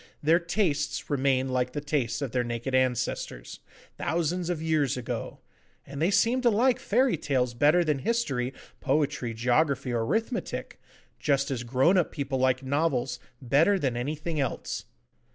Their tastes remain like the tastes of their naked ancestors, thousands of years ago, and they seem to like fairy tales better than history, poetry, geography, or arithmetic, just as grown up people like novels better than anything else.